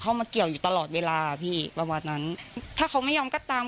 มาเกี่ยวอยู่ตลอดเวลาพี่ประมาณนั้นถ้าเขาไม่ยอมก็ตาม